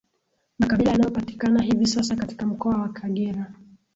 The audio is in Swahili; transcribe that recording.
Makabila yanayopatikana hivi sasa katika mkoa wa Kagera